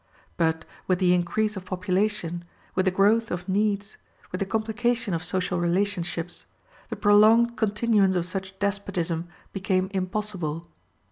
But with the increase of population, with the growth of needs, with the complication of social relationships, the prolonged continuance of such despotism became impossible.